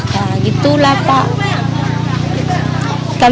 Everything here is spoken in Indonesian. nah gitu lah pak